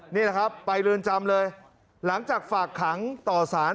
นี่แหละครับไปเรือนจำเลยหลังจากฝากขังต่อสาร